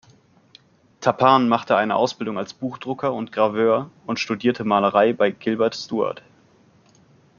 Tappan machte eine Ausbildung als Buchdrucker und Graveur und studierte Malerei bei Gilbert Stuart.